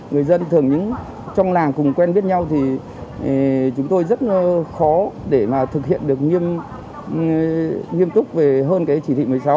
người dân thường những trong làng cùng quen biết nhau thì chúng tôi rất khó để thực hiện được nghiêm túc hơn chỉ thị một mươi sáu